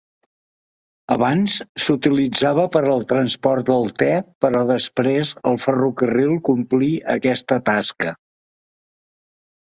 Abans s'utilitzava per al transport del te però després el ferrocarril complí aquesta tasca.